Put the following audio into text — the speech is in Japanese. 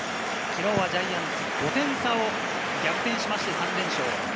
昨日はジャイアンツ、５点差を逆転して３連勝。